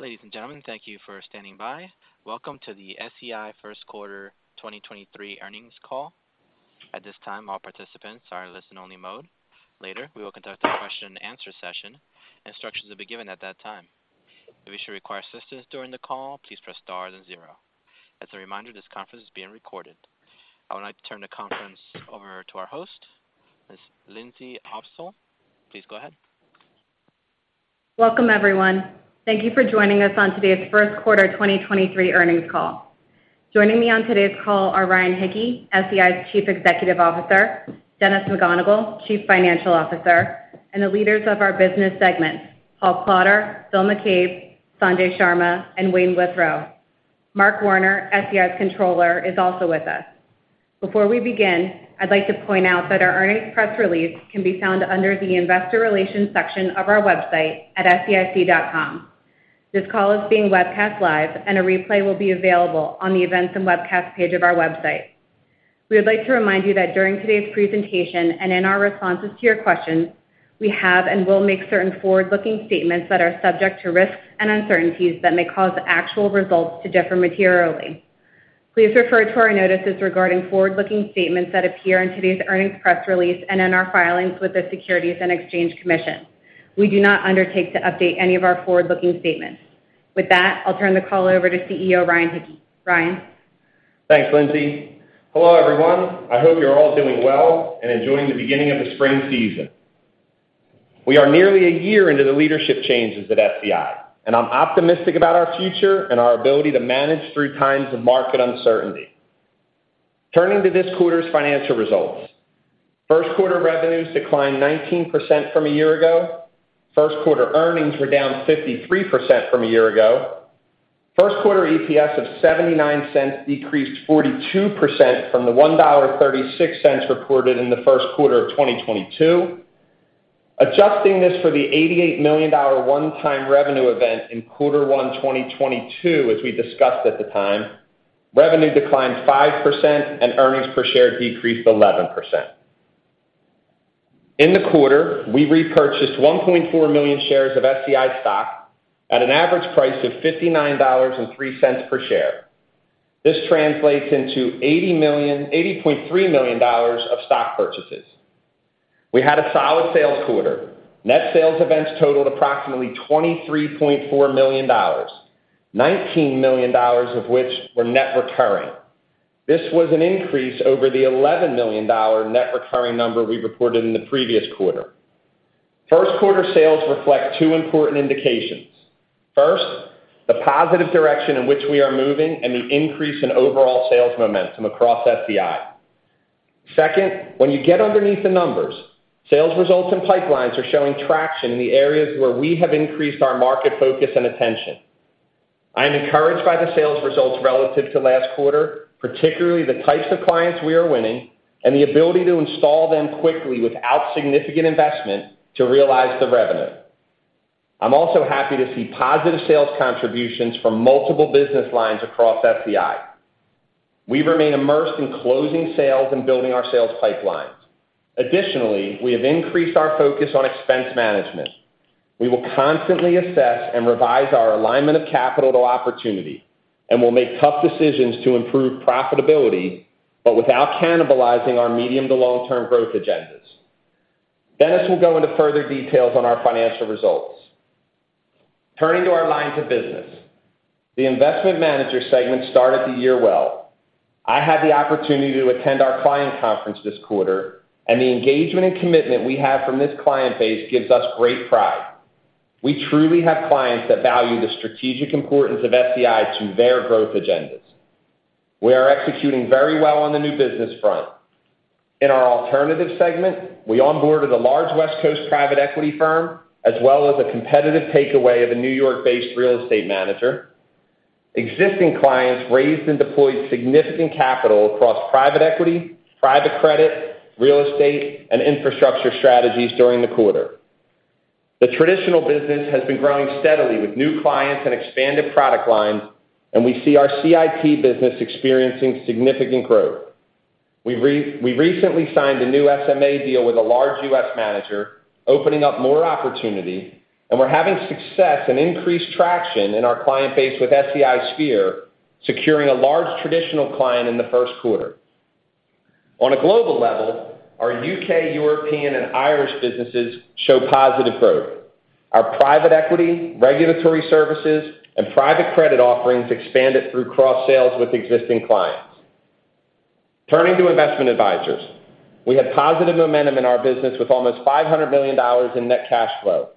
Ladies and gentlemen, thank you for standing by. Welcome to the SEI Q 2023 earnings call. At this time, all participants are in listen only mode. Later, we will conduct a question and answer session. Instructions will be given at that time. If you should require assistance during the call, please press star then zero. As a reminder, this conference is being recorded. I would like to turn the conference over to our host, Ms. Lindsey Opsahl. Please go ahead. Welcome, everyone. Thank you for joining us on today's Q1 2023 earnings call. Joining me on today's call are Ryan Hicke, SEI's Chief Executive Officer, Dennis McGonigle, Chief Financial Officer, and the leaders of our business segment, Paul Klauder, Phil McCabe, Sanjay Sharma, and Wayne Withrow. Mark Warner, SEI's Controller, is also with us. Before we begin, I'd like to point out that our earnings press release can be found under the Investor Relations section of our website at seic.com. This call is being webcast live, and a replay will be available on the events and webcast page of our website. We would like to remind you that during today's presentation and in our responses to your questions, we have and will make certain forward-looking statements that are subject to risks and uncertainties that may cause actual results to differ materially. Please refer to our notices regarding forward-looking statements that appear in today's earnings press release and in our filings with the Securities and Exchange Commission. We do not undertake to update any of our forward-looking statements. I'll turn the call over to CEO, Ryan Hicke. Ryan. Thanks, Lindsey. Hello, everyone. I hope you're all doing well and enjoying the beginning of the spring season. We are nearly a year into the leadership changes at SEI, and I'm optimistic about our future and our ability to manage through times of market uncertainty. Turning to this quarter's financial results. Q1 revenues declined 19% from a year ago. Q1 earnings were down 53% from a year ago. First quarter EPS of $0.79 decreased 42% from the $1.36 reported in the Q1 of 2022. Adjusting this for the $88 million one-time revenue event in quarter one 2022, as we discussed at the time, revenue declined 5% and earnings per share decreased 11%. In the quarter, we repurchased 1.4 million shares of SEI stock at an average price of $59.03 per share. This translates into $80.3 million of stock purchases. We had a solid sales quarter. Net sales events totaled approximately $23.4 million, $19 million of which were net recurring. This was an increase over the $11 million net recurring number we reported in the previous quarter. Q1 sales reflect two important indications. First, the positive direction in which we are moving and the increase in overall sales momentum across SEI. Second, when you get underneath the numbers, sales results and pipelines are showing traction in the areas where we have increased our market focus and attention. I am encouraged by the sales results relative to last quarter, particularly the types of clients we are winning and the ability to install them quickly without significant investment to realize the revenue. I'm also happy to see positive sales contributions from multiple business lines across SEI. We remain immersed in closing sales and building our sales pipelines. Additionally, we have increased our focus on expense management. We will constantly assess and revise our alignment of capital to opportunity, and we'll make tough decisions to improve profitability, but without cannibalizing our medium to long-term growth agendas. Dennis will go into further details on our financial results. Turning to our lines of business. The investment manager segment started the year well. I had the opportunity to attend our client conference this quarter, and the engagement and commitment we have from this client base gives us great pride. We truly have clients that value the strategic importance of SEI to their growth agendas. We are executing very well on the new business front. In our alternative segment, we onboarded a large West Coast private equity firm, as well as a competitive takeaway of a New York-based real estate manager. Existing clients raised and deployed significant capital across private equity, private credit, real estate, and infrastructure strategies during the quarter. The traditional business has been growing steadily with new clients and expanded product lines. We see our CIP business experiencing significant growth. We recently signed a new SMA deal with a large U.S. manager, opening up more opportunity. We're having success and increased traction in our client base with SEI Sphere, securing a large traditional client in the first quarter. On a global level, our U.K., European, and Irish businesses show positive growth. Our private equity, regulatory services, and private credit offerings expanded through cross sales with existing clients. Turning to investment advisors. We had positive momentum in our business with almost $500 million in net cash flow.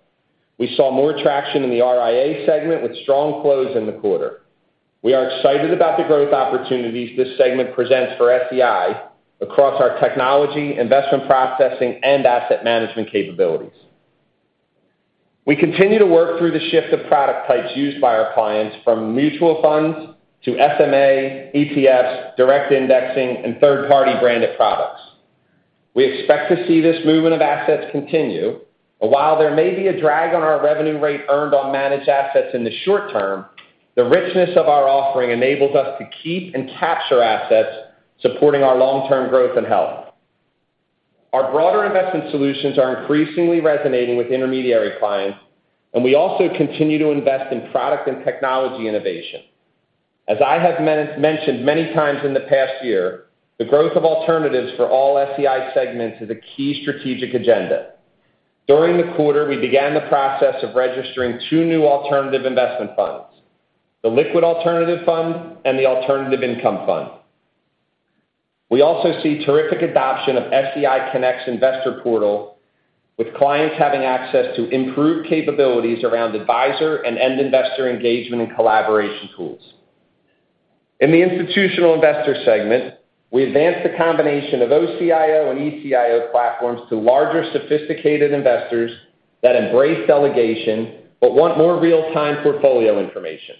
We saw more traction in the RIA segment with strong flows in the quarter. We are excited about the growth opportunities this segment presents for SEI across our technology, investment processing, and asset management capabilities. We continue to work through the shift of product types used by our clients from mutual funds to SMA, ETFs, direct indexing, and third-party branded products. We expect to see this movement of assets continue, but while there may be a drag on our revenue rate earned on managed assets in the short term, the richness of our offering enables us to keep and capture assets, supporting our long-term growth and health. Our broader investment solutions are increasingly resonating with intermediary clients, and we also continue to invest in product and technology innovation. As I have mentioned many times in the past year, the growth of alternatives for all SEI segments is a key strategic agenda. During the quarter, we began the process of registering two new alternative investment funds, the Liquid Alternative Fund and the Alternative Income Fund. We also see terrific adoption of SEI Connect's investor portal, with clients having access to improved capabilities around advisor and end investor engagement and collaboration tools. In the institutional investor segment, we advanced the combination of OCIO and ECIO platforms to larger, sophisticated investors that embrace delegation but want more real-time portfolio information.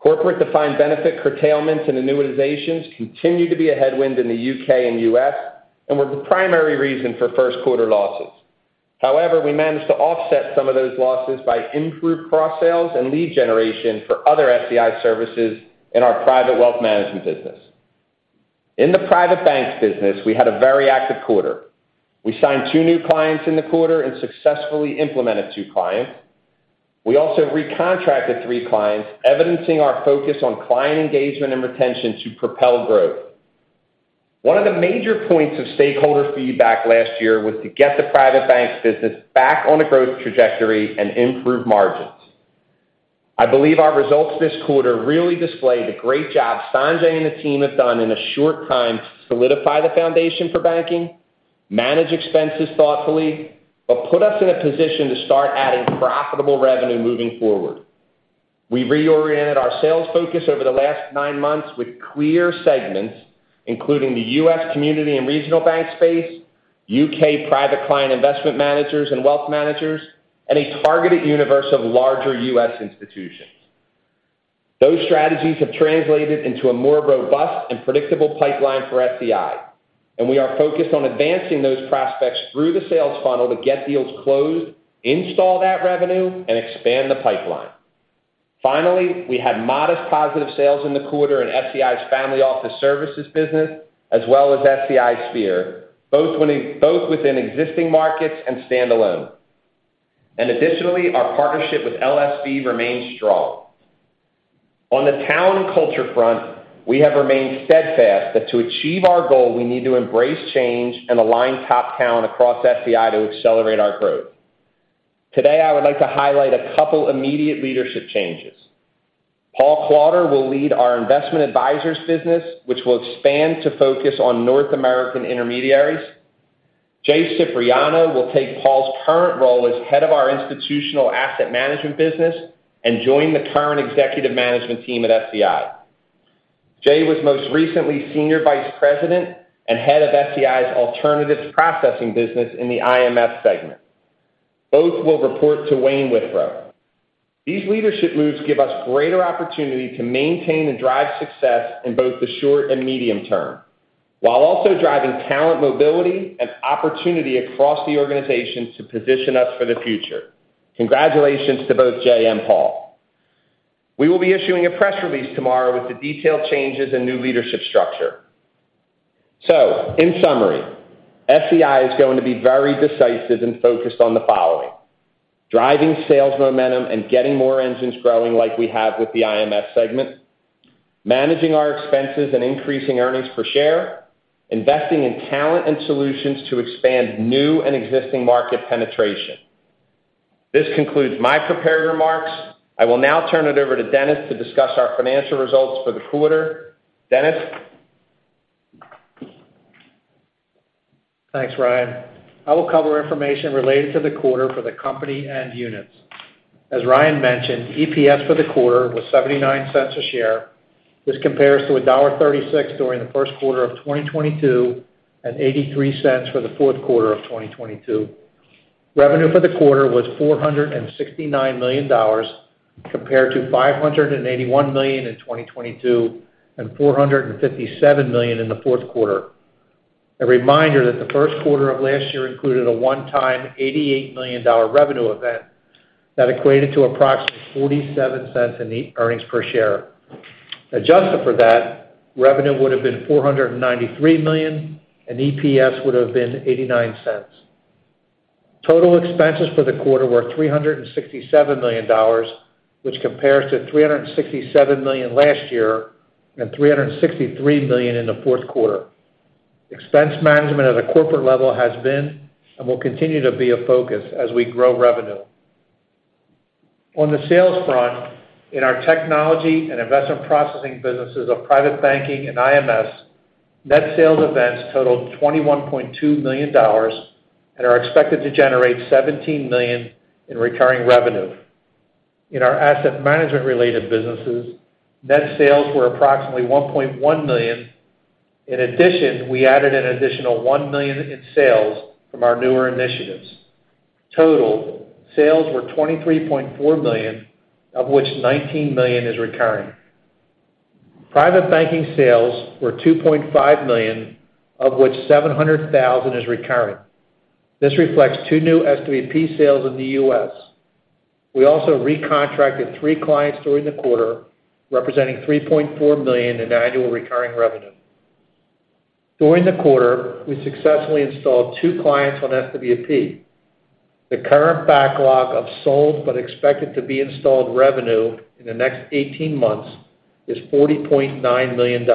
Corporate-defined benefit curtailments and annuitizations continue to be a headwind in the U.K. and U.S. and were the primary reason for Q1 losses. However, we managed to offset some of those losses by improved cross-sales and lead generation for other SEI services in our private wealth management business. In the private banks business, we had a very active quarter. We signed two new clients in the quarter and successfully implemented two clients. We also recontracted three clients, evidencing our focus on client engagement and retention to propel growth. One of the major points of stakeholder feedback last year was to get the private banks business back on a growth trajectory and improve margins. I believe our results this quarter really display the great job Sanjay and the team have done in a short time to solidify the foundation for banking, manage expenses thoughtfully, put us in a position to start adding profitable revenue moving forward. We've reoriented our sales focus over the last nine months with clear segments, including the U.S. community and regional bank space, U.K. private client investment managers and wealth managers, and a targeted universe of larger U.S. institutions. Those strategies have translated into a more robust and predictable pipeline for SEI, we are focused on advancing those prospects through the sales funnel to get deals closed, install that revenue, and expand the pipeline. Finally, we had modest positive sales in the quarter in SEI's Family Office Services business, as well as SEI Sphere, both within existing markets and standalone. Additionally, our partnership with LSV remains strong. On the talent and culture front, we have remained steadfast that to achieve our goal, we need to embrace change and align top talent across SEI to accelerate our growth. Today, I would like to highlight a couple immediate leadership changes. Paul Klauder will lead our investment advisors business, which will expand to focus on North American intermediaries. Jay Cipriano will take Paul's current role as head of our institutional asset management business and join the current executive management team at SEI. Jay was most recently Senior Vice President and head of SEI's alternatives processing business in the IMS segment. Both will report to Wayne Withrow. These leadership moves give us greater opportunity to maintain and drive success in both the short and medium-term while also driving talent mobility and opportunity across the organization to position us for the future. Congratulations to both Jay and Paul. We will be issuing a press release tomorrow with the detailed changes and new leadership structure. In summary, SEI is going to be very decisive and focused on the following: driving sales momentum and getting more engines growing like we have with the IMS segment, managing our expenses and increasing earnings per share, investing in talent and solutions to expand new and existing market penetration. This concludes my prepared remarks. I will now turn it over to Dennis to discuss our financial results for the quarter. Dennis? Thanks, Ryan. I will cover information related to the quarter for the company and units. As Ryan mentioned, EPS for the quarter was $0.79 a share. This compares to $1.36 during the first quarter of 2022 and $0.83 for the fourth quarter of 2022. Revenue for the quarter was $469 million compared to $581 million in 2022 and $457 million in the Q4. A reminder that the first quarter of last year included a one-time $88 million revenue event that equated to approximately $0.47 in earnings per share. Adjusted for that, revenue would have been $493 million, and EPS would have been $0.89. Total expenses for the quarter were $367 million, which compares to $367 million last year and $363 million in the fourth quarter. Expense management at a corporate level has been and will continue to be a focus as we grow revenue. On the sales front, in our technology and investment processing businesses of Private Banking and IMS, net sales events totaled $21.2 million and are expected to generate $17 million in recurring revenue. In our asset management-related businesses, net sales were approximately $1.1 million. We added an additional $1 million in sales from our newer initiatives. Total sales were $23.4 million, of which $19 million is recurring. Private Banking sales were $2.5 million, of which $700,000 is recurring. This reflects two new SWP sales in the U.S. We also recontracted three clients during the quarter, representing $3.4 million in annual recurring revenue. During the quarter, we successfully installed two clients on SWP. The current backlog of sold but expected to be installed revenue in the next 18 months is $40.9 million.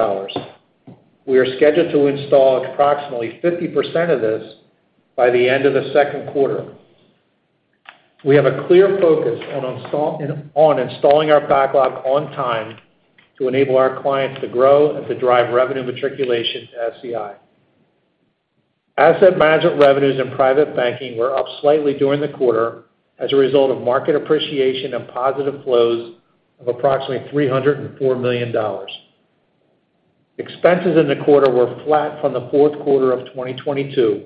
We are scheduled to install approximately 50% of this by the end of the second quarter. We have a clear focus on installing our backlog on time to enable our clients to grow and to drive revenue matriculation to SEI. Asset management revenues and private banking were up slightly during the quarter as a result of market appreciation and positive flows of approximately $304 million. Expenses in the quarter were flat from the fourth quarter of 2022.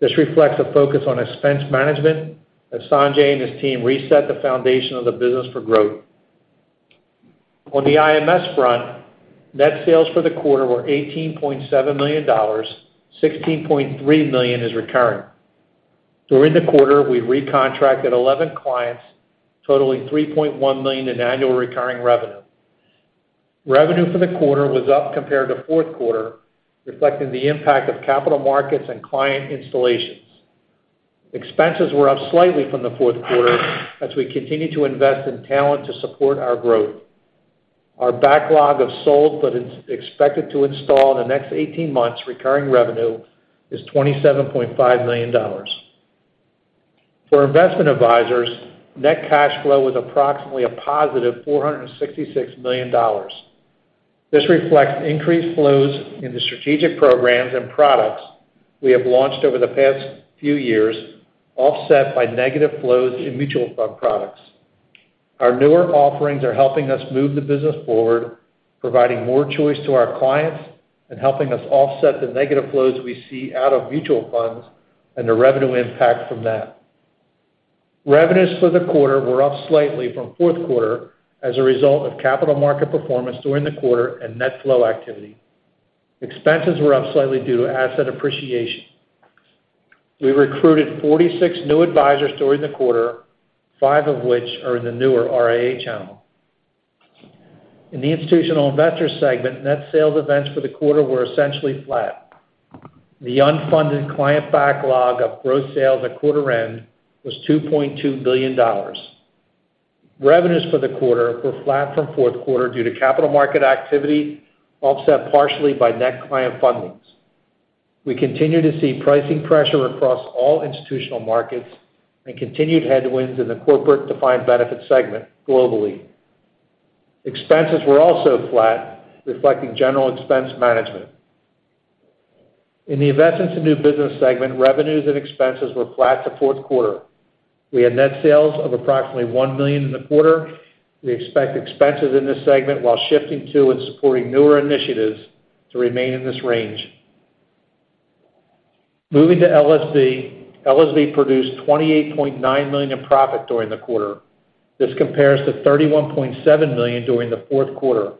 This reflects a focus on expense management as Sanjay Sharma and his team reset the foundation of the business for growth. On the IMS front, net sales for the quarter were $18.7 million. $16.3 million is recurring. During the quarter, we recontracted 11 clients, totaling $3.1 million in annual recurring revenue. Revenue for the quarter was up compared to fourth quarter, reflecting the impact of capital markets and client installations. Expenses were up slightly from the fourth quarter as we continue to invest in talent to support our growth. Our backlog of sold but expected to install in the next 18 months recurring revenue is $27.5 million. For investment advisors, net cash flow was approximately a positive $466 million. This reflects increased flows in the strategic programs and products we have launched over the past few years, offset by negative flows in mutual fund products. Our newer offerings are helping us move the business forward, providing more choice to our clients and helping us offset the negative flows we see out of mutual funds and the revenue impact from that. Revenues for the quarter were up slightly from fourth quarter as a result of capital market performance during the quarter and net flow activity. Expenses were up slightly due to asset appreciation. We recruited 46 new advisors during the quarter, 5 of which are in the newer RIA channel. In the institutional investor segment, net sales events for the quarter were essentially flat. The unfunded client backlog of gross sales at quarter end was $2.2 billion. Revenues for the quarter were flat from fourth quarter due to capital market activity, offset partially by net client fundings. We continue to see pricing pressure across all institutional markets and continued headwinds in the corporate defined benefit segment globally. Expenses were also flat, reflecting general expense management. In the investments and new business segment, revenues and expenses were flat to fourth quarter. We had net sales of approximately $1 million in the quarter. We expect expenses in this segment while shifting to and supporting newer initiatives to remain in this range. Moving to LSV. LSV produced $28.9 million in profit during the quarter. This compares to $31.7 million during the Q4.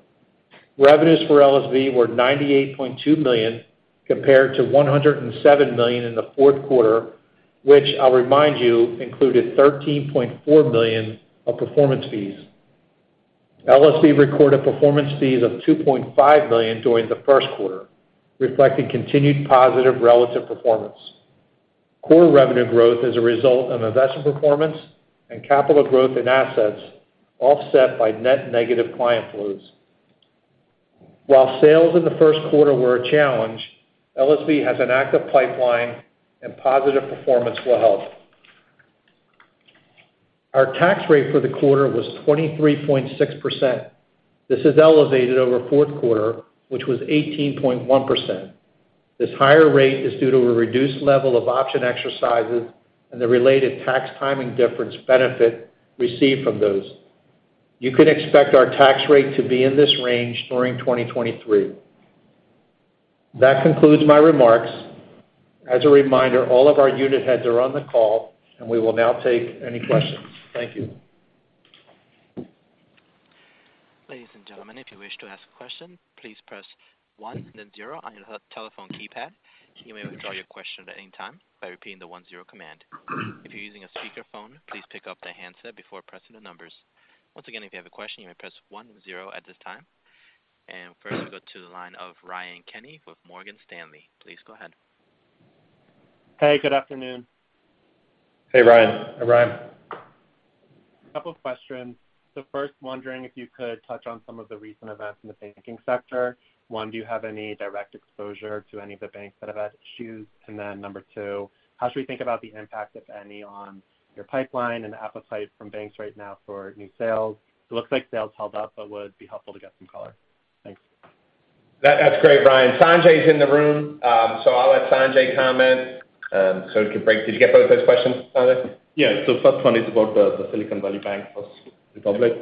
Revenues for LSV were $98.2 million compared to $107 million in the Q4, which I'll remind you, included $13.4 million of performance fees. LSV recorded performance fees of $2.5 million during the Q1, reflecting continued positive relative performance. Core revenue growth is a result of investment performance and capital growth in assets, offset by net negative client flows. While sales in the first quarter were a challenge, LSV has an active pipeline, and positive performance will help. Our tax rate for the quarter was 23.6%. This is elevated over fourth quarter, which was 18.1%. This higher rate is due to a reduced level of option exercises and the related tax timing difference benefit received from those. You can expect our tax rate to be in this range during 2023. That concludes my remarks. As a reminder, all of our unit heads are on the call, and we will now take any questions. Thank you. Ladies and gentlemen, if you wish to ask a question, please press 1 then 0 on your telephone keypad. You may withdraw your question at any time by repeating the 1-0 command. If you're using a speakerphone, please pick up the handset before pressing the numbers. Once again, if you have a question, you may press 1-0 at this time. First, we'll go to the line of Ryan Kenny with Morgan Stanley. Please go ahead. Hey, good afternoon. Hey, Ryan. Hey, Ryan. A couple questions. First, wondering if you could touch on some of the recent events in the banking sector. One, do you have any direct exposure to any of the banks that have had issues? Number two, how should we think about the impact, if any, on your pipeline and appetite from banks right now for new sales? It looks like sales held up, but would be helpful to get some color. Thanks. That's great, Ryan. Sanjay's in the room, I'll let Sanjay comment, we could break... Did you get both those questions, Sanjay? Yeah. First one is about the Silicon Valley Bank First Republic.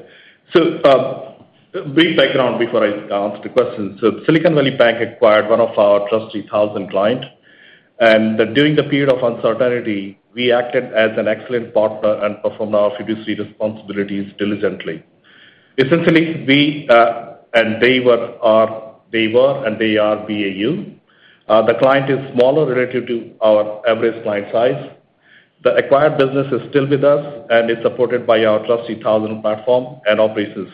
Brief background before I answer the question. Silicon Valley Bank acquired one of our TRUST 3000 client, during the period of uncertainty, we acted as an excellent partner and performed our fiduciary responsibilities diligently. Essentially, we, they were and they are BAU. The client is smaller relative to our average client size. The acquired business is still with us, and it's supported by our trusty Talyn platform and operations.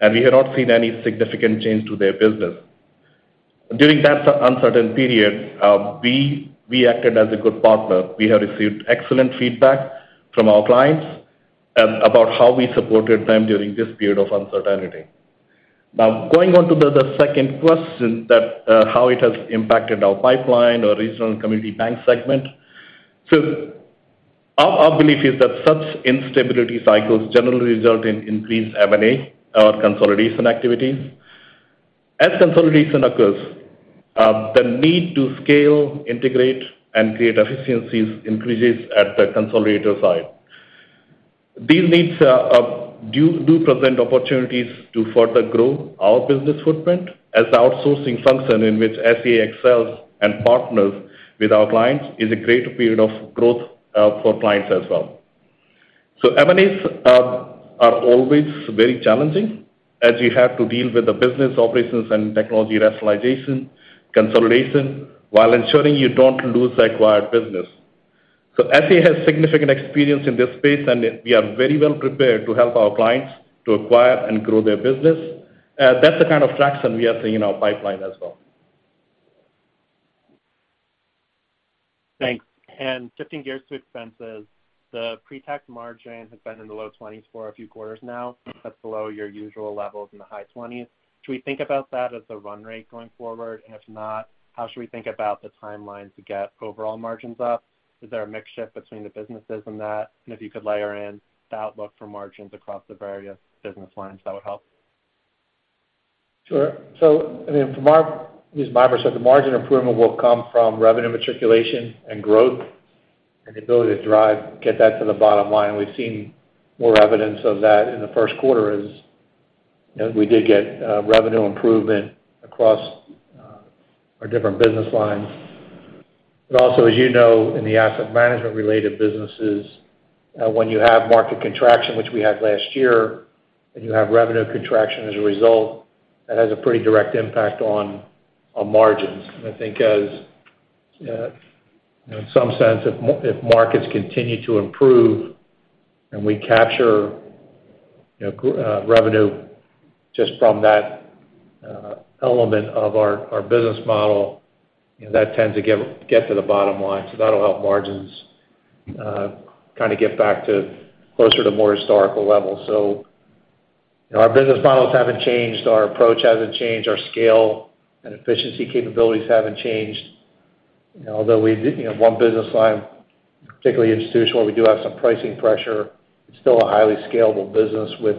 We have not seen any significant change to their business. During that uncertain period, we acted as a good partner. We have received excellent feedback from our clients about how we supported them during this period of uncertainty. Going on to the second question that how it has impacted our pipeline or regional community bank segment. Our belief is that such instability cycles generally result in increased M&A or consolidation activities. Consolidation occurs, the need to scale, integrate, and create efficiencies increases at the consolidator side. These needs do present opportunities to further grow our business footprint as outsourcing function in which SE excels and partners with our clients is a great period of growth for clients as well. M&As are always very challenging as you have to deal with the business operations and technology rationalization, consolidation while ensuring you don't lose acquired business. SE has significant experience in this space, and we are very well prepared to help our clients to acquire and grow their business. That's the kind of traction we are seeing in our pipeline as well. Thanks. Shifting gears to expenses. The pre-tax margin has been in the low twenties for a few quarters now. That's below your usual levels in the high twenties. Should we think about that as a run rate going forward? If not, how should we think about the timeline to get overall margins up? Is there a mix shift between the businesses and that? If you could layer in the outlook for margins across the various business lines, that would help. Sure. I mean, from our... As Maura said, the margin improvement will come from revenue matriculation and growth and the ability to get that to the bottom line. We've seen more evidence of that in the first quarter as, you know, we did get revenue improvement across our different business lines. Also, as you know, in the asset management related businesses, when you have market contraction, which we had last year, and you have revenue contraction as a result, that has a pretty direct impact on margins. I think as in some sense, if markets continue to improve and we capture, you know, revenue just from that element of our business model, you know, that tends to get to the bottom line. That'll help margins, kind of get back to closer to more historical levels. You know, our business models haven't changed, our approach hasn't changed, our scale and efficiency capabilities haven't changed. You know, although we did, you know, one business line, particularly institutional, we do have some pricing pressure. It's still a highly scalable business with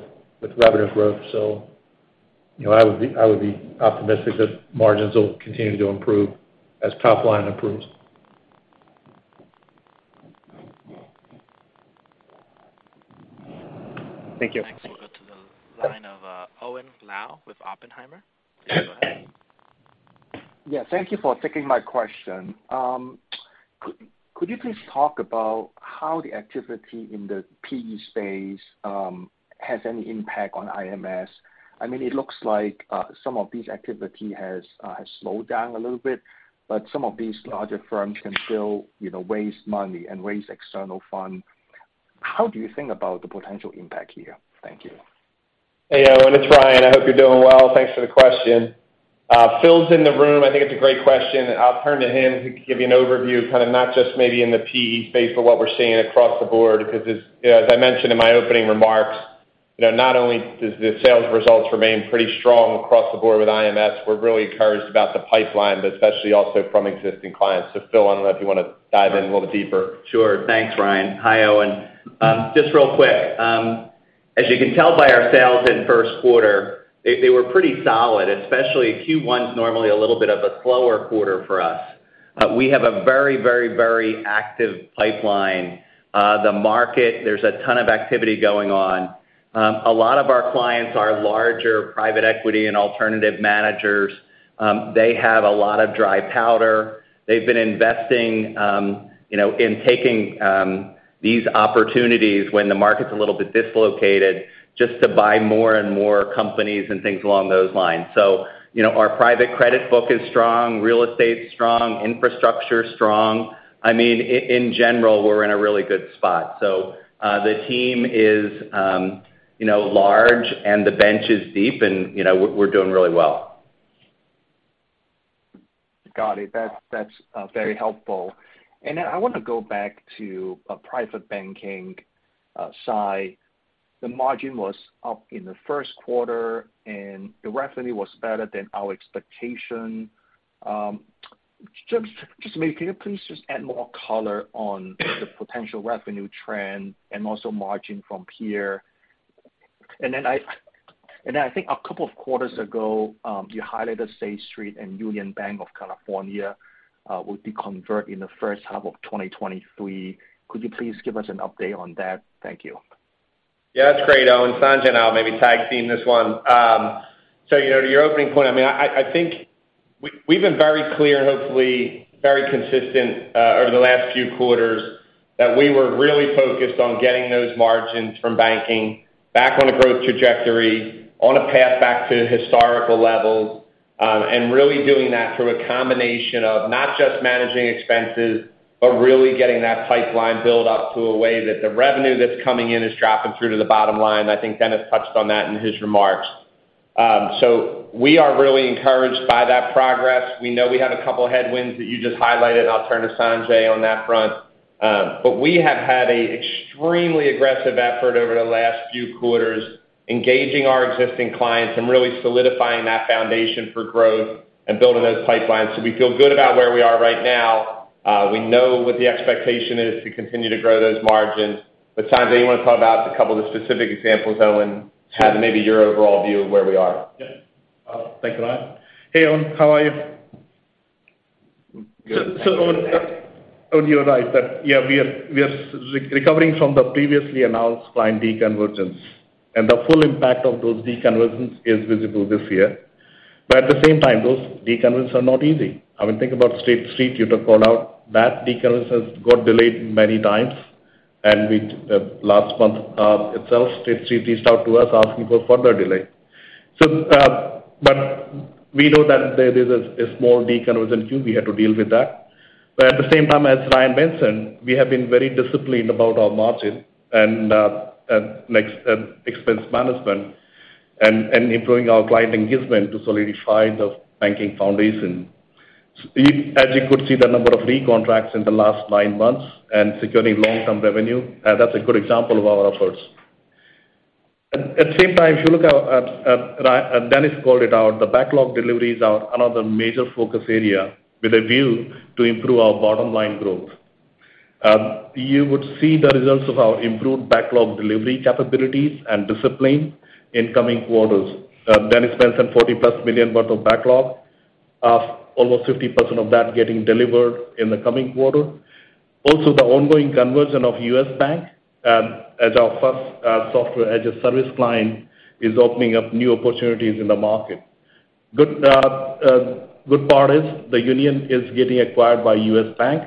revenue growth. You know, I would be optimistic that margins will continue to improve as top line improves. Thank you. Thanks. We'll go to the line of, Owen Lau with Oppenheimer. Go ahead. Yeah, thank you for taking my question. Could you please talk about how the activity in the PE space has any impact on IMS? I mean, it looks like some of these activity has slowed down a little bit, but some of these larger firms can still, you know, raise money and raise external funds. How do you think about the potential impact here? Thank you. Hey, Owen, it's Ryan. I hope you're doing well. Thanks for the question. Phil's in the room. I think it's a great question. I'll turn to him. He could give you an overview, kind of not just maybe in the PE space, but what we're seeing across the board. As, you know, as I mentioned in my opening remarks, you know, not only does the sales results remain pretty strong across the board with IMS, we're really encouraged about the pipeline, but especially also from existing clients. Phil, I don't know if you want to dive in a little deeper. Sure. Thanks, Ryan. Hi, Owen. Just real quick, as you can tell by our sales in Q1, they were pretty solid, especially Q1's normally a little bit of a slower quarter for us. We have a very, very, very active pipeline. The market, there's a ton of activity going on. A lot of our clients are larger private equity and alternative managers. They have a lot of dry powder. They've been investing, you know, in taking these opportunities when the market's a little bit dislocated just to buy more and more companies and things along those lines. You know, our private credit book is strong, real estate's strong, infrastructure's strong. I mean, in general, we're in a really good spot. The team is, you know, large and the bench is deep and, you know, we're doing really well. Got it. That's very helpful. I want to go back to private banking side. The margin was up in the Q1, and the revenue was better than our expectation. Just maybe can you please just add more color on the potential revenue trend and also margin from here? I think a couple of quarters ago, you highlighted State Street and Union Bank of California would be convert in the H1 of 2023. Could you please give us an update on that? Thank you. Yeah, that's great, Owen. Sanjay and I maybe tag team this one. you know, to your opening point, I mean. We've been very clear, hopefully very consistent, over the last few quarters that we were really focused on getting those margins from banking back on a growth trajectory, on a path back to historical levels, and really doing that through a combination of not just managing expenses, but really getting that pipeline build up to a way that the revenue that's coming in is dropping through to the bottom line. I think Dennis touched on that in his remarks. We are really encouraged by that progress. We know we had a couple headwinds that you just highlighted, and I'll turn to Sanjay on that front. We have had a extremely aggressive effort over the last few quarters engaging our existing clients and really solidifying that foundation for growth and building those pipelines. We feel good about where we are right now. We know what the expectation is to continue to grow those margins. Sanjay, you want to talk about a couple of the specific examples, though, and kind of maybe your overall view of where we are? Yeah. Thanks, Ryan. Hey, Owen. How are you? Good. Thank you. Owen, you're right that, yeah, we are recovering from the previously announced client deconversion, and the full impact of those deconversions is visible this year. At the same time, those deconversions are not easy. I mean, think about State Street. You'd have called out that deconversion has got delayed many times. Last month, itself, State Street reached out to us asking for further delay. We know that there is a small deconversion queue. We had to deal with that. At the same time, as Ryan mentioned, we have been very disciplined about our margin and expense management and improving our client engagement to solidify the banking foundation. As you could see, the number of recontracts in the last nine months and securing long-term revenue, that's a good example of our efforts. At the same time, if you look at Dennis called it out, the backlog deliveries are another major focus area with a view to improve our bottom-line growth. You would see the results of our improved backlog delivery capabilities and discipline in coming quarters. Dennis mentioned $40+ million worth of backlog, almost 50% of that getting delivered in the coming quarter. The ongoing conversion of U.S. Bank, as our first software as a service client is opening up new opportunities in the market. Good part is the Union is getting acquired by U.S. Bank.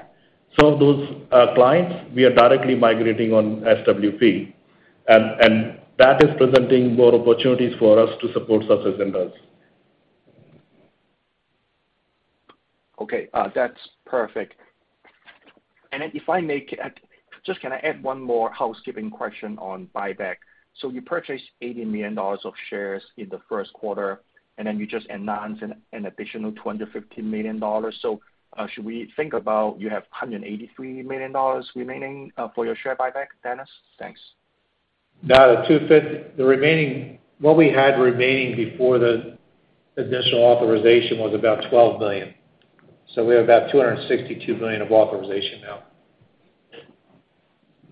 Some of those clients, we are directly migrating on SWP, and that is presenting more opportunities for us to support such agendas. Okay. That's perfect. If I may, can I add one more housekeeping question on buyback? You purchased $80 million of shares in the first quarter, and then you just announced an additional $250 million. Should we think about you have $183 million remaining for your share buyback, Dennis? Thanks. No, what we had remaining before the additional authorization was about $12 million. We have about $262 million of authorization now.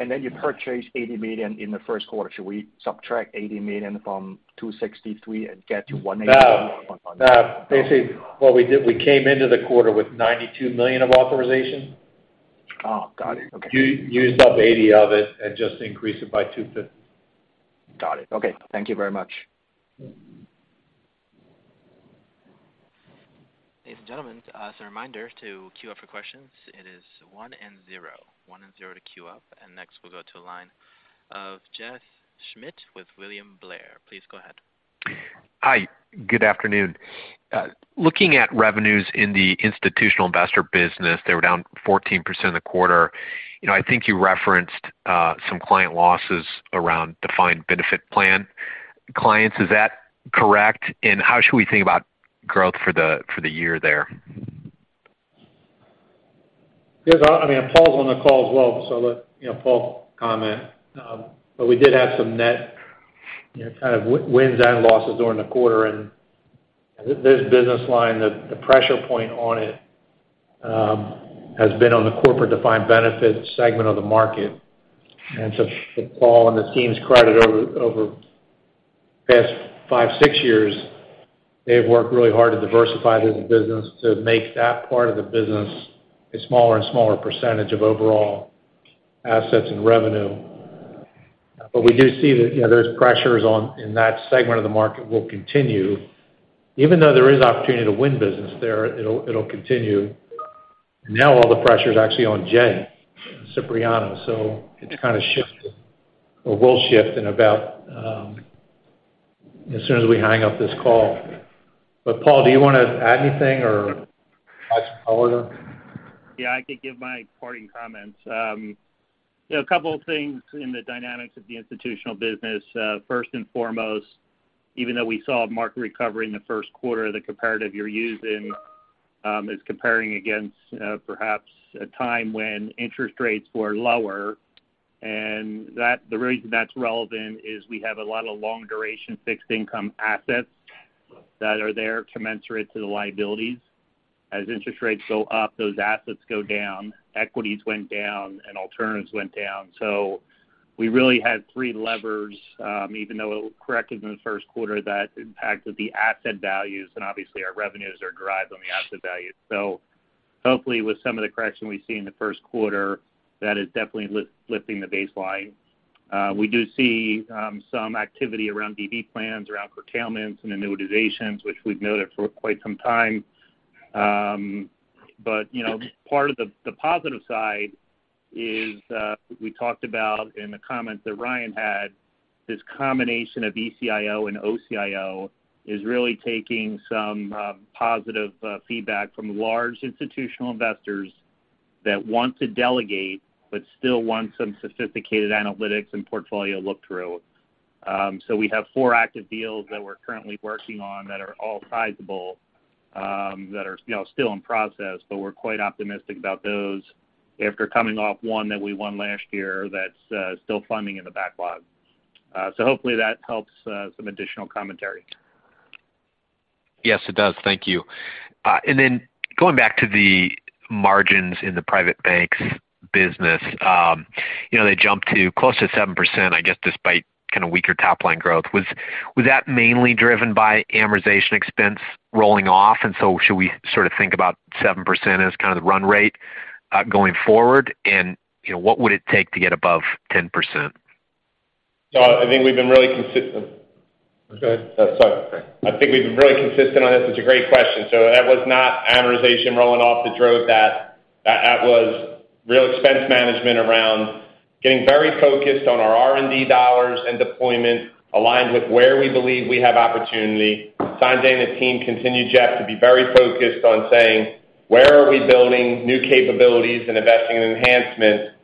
Then you purchased $80 million in the Q1. Should we subtract $80 million from $263 and get to $183 or $100? No. No. Basically, what we did, we came into the quarter with $92 million of authorization. Oh, got it. Okay. Used up $80 of it and just increased it by $250. Got it. Okay. Thank you very much. Ladies and gentlemen, as a reminder to queue up for questions, it is 1 and 0, 1 and 0 to queue up. Next, we'll go to the line of Jeff Schmitt with William Blair. Please go ahead. Hi. Good afternoon. Looking at revenues in the institutional investor business, they were down 14% in the quarter. You know, I think you referenced some client losses around defined benefit plan clients. Is that correct? How should we think about growth for the year there? I mean, Paul's on the call as well, so I'll let, you know, Paul comment. We did have some net, you know, kind of wins and losses during the quarter. This business line, the pressure point on it, has been on the corporate defined benefit segment of the market. To Paul and the team's credit, over the past five, six years, they have worked really hard to diversify this business to make that part of the business a smaller and smaller percentage of overall assets and revenue. We do see that, you know, those pressures in that segment of the market will continue. Even though there is opportunity to win business there, it'll continue. All the pressure is actually on Jay Cipriano. It kind of shifted or will shift in about, as soon as we hang up this call. Paul, do you want to add anything or add some color there? Yeah, I could give my parting comments. You know, a couple of things in the dynamics of the Institutional business. First and foremost, even though we saw a market recovery in the Q1, the comparative you're using is comparing against perhaps a time when interest rates were lower. The reason that's relevant is we have a lot of long-duration fixed income assets that are there commensurate to the liabilities. As interest rates go up, those assets go down, equities went down, and alternatives went down. We really had three levers, even though it corrected in the Q1, that impacted the asset values, and obviously our revenues are derived on the asset value. Hopefully with some of the correction we see in the Q1, that is definitely lifting the baseline. We do see some activity around DB plans, around curtailments and annuitizations, which we've noted for quite some time. You know, part of the positive side is, we talked about in the comments that Ryan had, this combination of ECIO and OCIO is really taking some positive feedback from large institutional investors that want to delegate, but still want some sophisticated analytics and portfolio look-through. We have four active deals that we're currently working on that are all sizable, that are, you know, still in process. We're quite optimistic about those after coming off one that we won last year that's still funding in the backlog. Hopefully, that helps some additional commentary. Yes, it does. Thank you. Going back to the margins in the private banks business, you know, they jumped to close to 7%, I guess, despite kind of weaker top line growth. Was that mainly driven by amortization expense rolling off? Should we sort of think about 7% as kind of the run rate going forward? You know, what would it take to get above 10%? I think we've been really consistent. Go ahead. Sorry. I think we've been really consistent on this. It's a great question. That was not amortization rolling off that drove that. That was real expense management around getting very focused on our R&D dollars and deployments aligned with where we believe we have opportunity. Sanjay and the team continued, Jeff, to be very focused on saying, where are we building new capabilities and investing in enhancements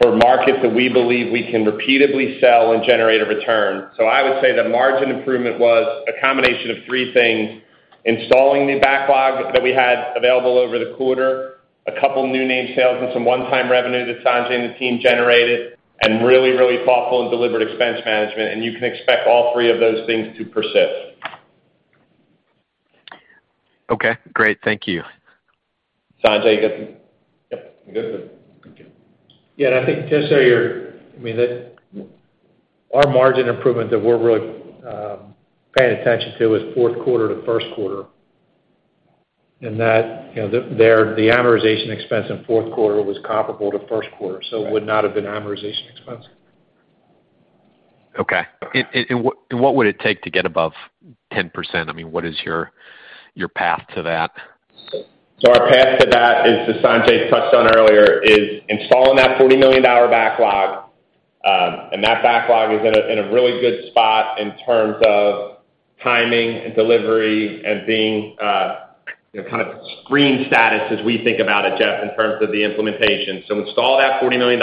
for markets that we believe we can repeatedly sell and generate a return. I would say the margin improvement was a combination of three things, installing the backlog that we had available over the quarter, a couple new name sales and some one-time revenue that Sanjay and the team generated, and really, really thoughtful and deliberate expense management. You can expect all three of those things to persist. Okay, great. Thank you. Sanjay, you got something? Yep. Good. Thank you. Yeah, I think to say I mean, our margin improvement that we're really paying attention to is Q4 to Q1. That, you know, there, the amortization expense in fourth quarter was comparable to first quarter, so it would not have been amortization expense. Okay. What would it take to get above 10%? I mean, what is your path to that? Our path to that is, as Sanjay Sharma touched on earlier, is installing that $40 million backlog. That backlog is in a really good spot in terms of timing and delivery and being, you know, kind of screen status as we think about it, Jeffery Schmitt, in terms of the implementation. Install that $40 million,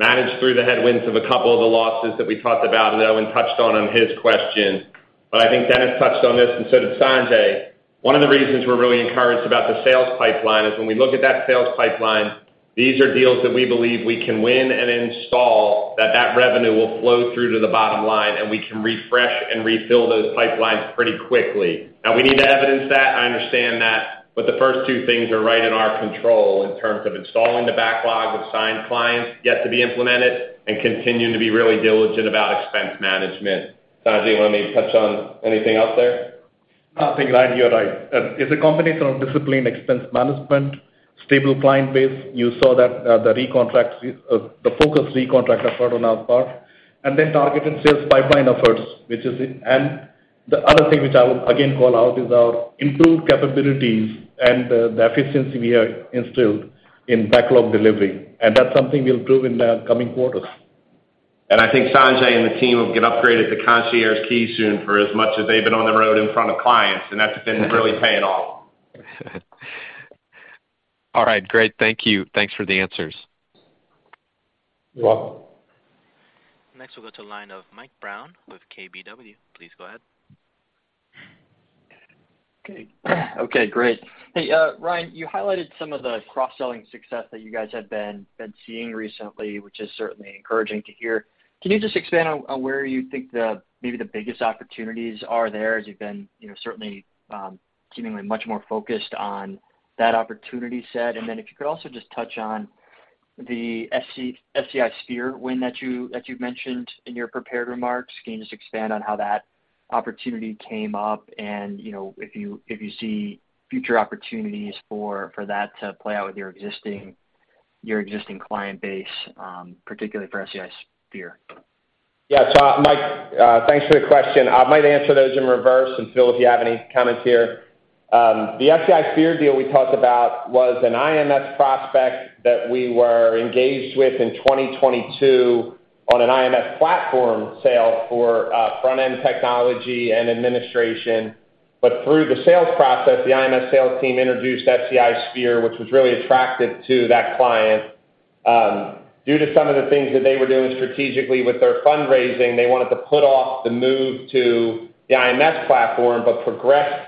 manage through the headwinds of a couple of the losses that we talked about and Owen Lau touched on in his question. I think Dennis McGonigle touched on this and so did Sanjay Sharma. One of the reasons we're really encouraged about the sales pipeline is when we look at that sales pipeline, these are deals that we believe we can win and install, that that revenue will flow through to the bottom line, and we can refresh and refill those pipelines pretty quickly. We need to evidence that, I understand that, the first two things are right in our control in terms of installing the backlog of signed clients yet to be implemented and continuing to be really diligent about expense management. Sanjay, you want me to touch on anything else there? I think, Ryan, you're right. It's a combination of disciplined expense management, stable client base. You saw that, the recontract, the focused recontract effort on our part, and then targeted sales pipeline efforts, which is it. The other thing which I would again call out is our improved capabilities and the efficiency we have instilled in backlog delivery. That's something we'll prove in the coming quarters. I think Sanjay and the team will get upgraded to Concierge Key soon for as much as they've been on the road in front of clients, and that's been really paying off. All right. Great. Thank you. Thanks for the answers. You're welcome. Next, we'll go to line of Michael Brown with KBW. Please go ahead. Okay. Okay, great. Hey, Ryan, you highlighted some of the cross-selling success that you guys have been seeing recently, which is certainly encouraging to hear. Can you just expand on where you think the, maybe the biggest opportunities are there as you've been, you know, certainly, seemingly much more focused on that opportunity set? Then if you could also just touch on the SEI Sphere win that you mentioned in your prepared remarks. Can you just expand on how that opportunity came up and, you know, if you see future opportunities for that to play out with your existing client base, particularly for SEI Sphere? Yeah. Mike, thanks for your question. I might answer those in reverse, and Phil, if you have any comments here. The SEI Sphere deal we talked about was an IMS prospect that we were engaged with in 2022 on an IMS platform sale for front-end technology and administration. Through the sales process, the IMS sales team introduced SEI Sphere, which was really attractive to that client. Due to some of the things that they were doing strategically with their fundraising, they wanted to put off the move to the IMS platform, but progress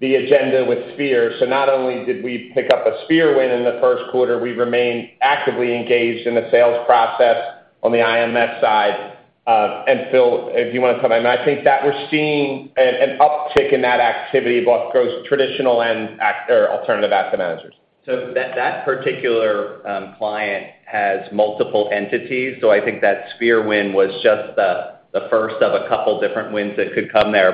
the agenda with Sphere. Not only did we pick up a Sphere win in the Q1, we remained actively engaged in the sales process on the IMS side. Phil, if you want to comment. I think that we're seeing an uptick in that activity, both growth, traditional and or alternative asset managers. That particular client has multiple entities. I think that SEI Sphere win was just the first of a 2 different wins that could come there.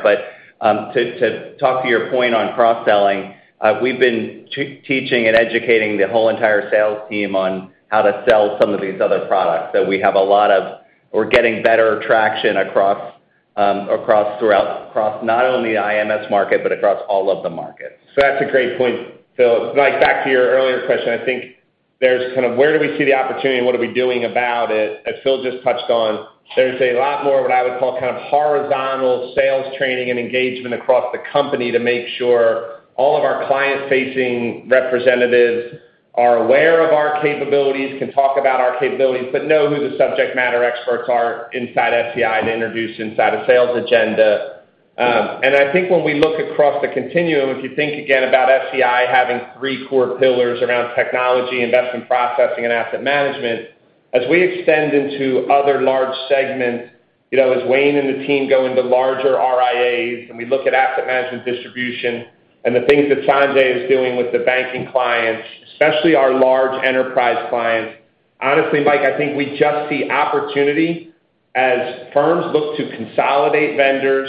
To talk to your point on cross-selling, we've been teaching and educating the whole entire sales team on how to sell some of these other products that we have a lot of. We're getting better traction across not only the IMS market, but across all of the markets. That's a great point, Phil. Mike, back to your earlier question, I think there's kind of where do we see the opportunity and what are we doing about it? As Phil just touched on, there's a lot more what I would call kind of horizontal sales training and engagement across the company to make sure all of our client-facing representatives are aware of our capabilities, can talk about our capabilities, but know who the subject matter experts are inside SEI to introduce inside a sales agenda. I think when we look across the continuum, if you think again about SEI having three core pillars around technology, investment processing, and asset management, as we extend into other large segments, you know, as Wayne and the team go into larger RIAs, and we look at asset management distribution and the things that Sanjay is doing with the banking clients, especially our large enterprise clients, honestly, Mike, I think we just see opportunity as firms look to consolidate vendors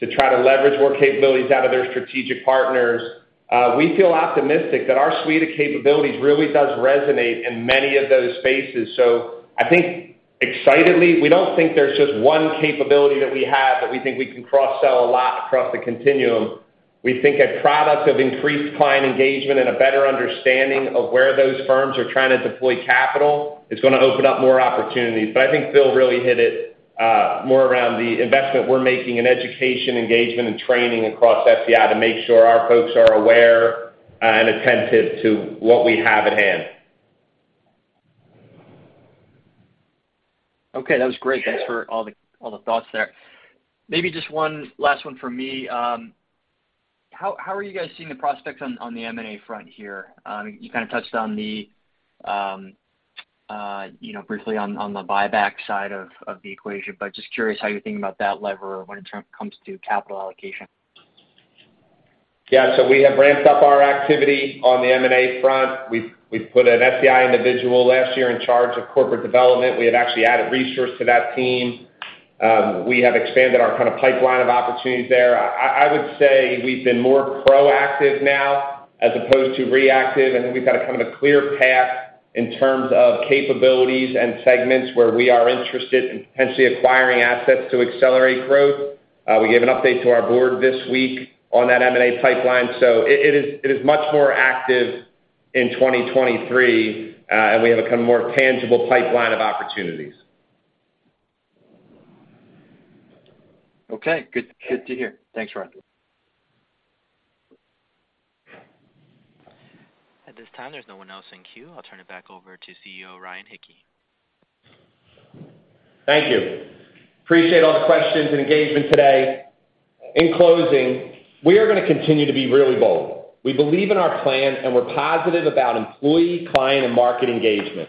to try to leverage more capabilities out of their strategic partners. We feel optimistic that our suite of capabilities really does resonate in many of those spaces. I think excitedly, we don't think there's just one capability that we have that we think we can cross-sell a lot across the continuum. We think a product of increased client engagement and a better understanding of where those firms are trying to deploy capital is gonna open up more opportunities. I think Phil really hit it, more around the investment we're making in education, engagement, and training across SEI to make sure our folks are aware, and attentive to what we have at hand. Okay. That was great. Thanks for all the, all the thoughts there. Maybe just one last one from me. How are you guys seeing the prospects on the M&A front here? You kind of touched on the, you know, briefly on the buyback side of the equation, but just curious how you're thinking about that lever when it comes to capital allocation. Yeah. We have ramped up our activity on the M&A front. We've put an SEI individual last year in charge of corporate development. We have actually added resource to that team. We have expanded our kind of pipeline of opportunities there. I would say we've been more proactive now as opposed to reactive, and I think we've got a kind of a clear path in terms of capabilities and segments where we are interested in potentially acquiring assets to accelerate growth. We gave an update to our board this week on that M&A pipeline. It, it is, it is much more active in 2023, and we have a kind of more tangible pipeline of opportunities. Okay. Good, good to hear. Thanks, Ryan. At this time, there's no one else in queue. I'll turn it back over to CEO Ryan Hicke. Thank you. Appreciate all the questions and engagement today. In closing, we are gonna continue to be really bold. We believe in our plan. We're positive about employee, client, and market engagement.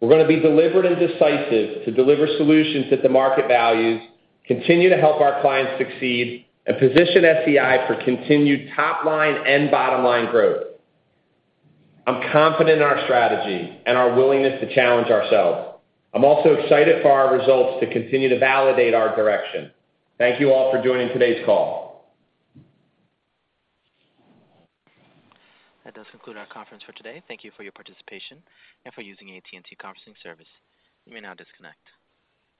We're gonna be deliberate and decisive to deliver solutions that the market values, continue to help our clients succeed, and position SEI for continued top line and bottom line growth. I'm confident in our strategy and our willingness to challenge ourselves. I'm also excited for our results to continue to validate our direction. Thank you all for joining today's call. That does conclude our conference for today. Thank you for your participation and for using AT&T conferencing service. You may now disconnect.